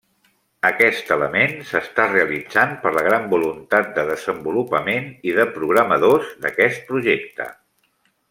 Aquest element s'està realitzant per la gran voluntat de desenvolupament i de programadors d'aquest projecte.